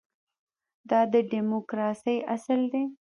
دا د ډیموکراسۍ اصل دی.